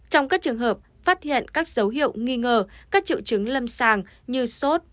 trong các trường hợp phát hiện các dấu hiệu nghi ngờ các triệu chứng lâm sàng như sốt